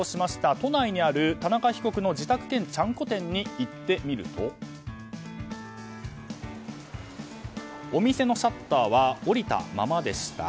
都内にある田中被告の自宅兼ちゃんこ店に行ってみるとお店のシャッターは下りたままでした。